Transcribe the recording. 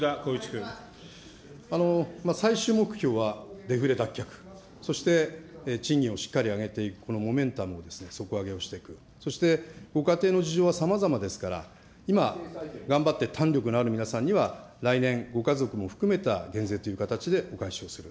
最終目標はデフレ脱却、そして賃金をしっかり上げていく、このモメンタム、底上げをしていく、そしてご家庭の事情はさまざまですから、今、頑張って胆力のある皆さんには、来年、ご家族も含めた減税という形でお返しをする。